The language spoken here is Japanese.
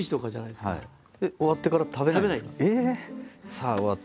「さあ終わった。